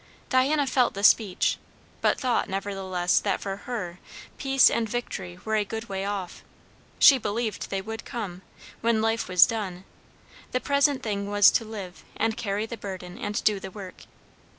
Diana felt the speech, but thought nevertheless that for her, peace and victory were a good way off. She believed they would come, when life was done; the present thing was to live, and carry the burden and do the work.